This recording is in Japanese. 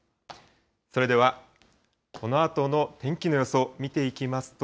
それではこのあとの天気の予想見ていきますと。